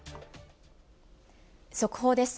速報です。